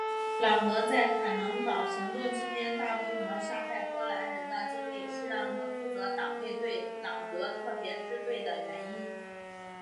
朗格在坦能堡行动期间大规模杀害波兰人的经历是让他负责党卫队朗格特别支队的原因。